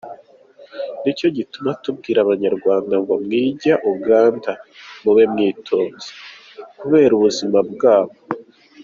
“Ni cyo gituma tubwira abanyarwanda ngo mwijya Uganda mube mwitonze, kubera ubuzima bwabo.”